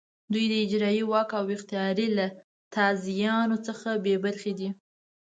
دوی د اجرایې واک او اختیار له تازیاني څخه بې برخې دي.